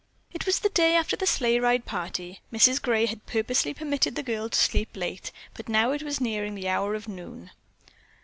It was the day after the sleigh ride party. Mrs. Gray had purposely permitted the girl to sleep late, but now it was nearing the hour of noon.